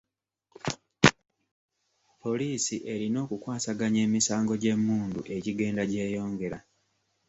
Poliisi erina okukwasaganya emisango gy'emmundu egigenda gyeyongera.